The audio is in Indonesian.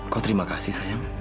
kok terima kasih sayang